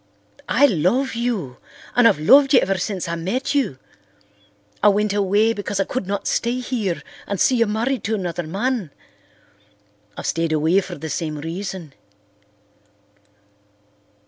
I love you—and I've loved you ever since I met you. I went away because I could not stay here and see you married to another man. I've stayed away for the same reason.